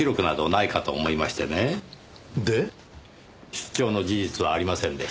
出張の事実はありませんでした。